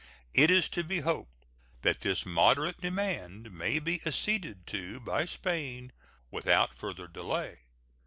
It is to be hoped that this moderate demand may be acceded to by Spain without further delay.